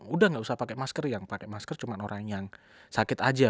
udah gak usah pake masker yang pake masker cuman orang yang sakit aja